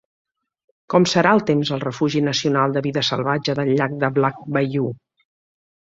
Com serà el temps al refugi nacional de vida salvatge del llac de Black Bayou?